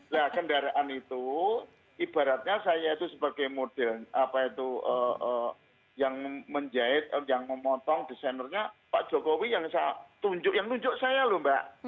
nah kendaraan itu ibaratnya saya itu sebagai model apa itu yang menjahit yang memotong desainernya pak jokowi yang nunjuk saya loh mbak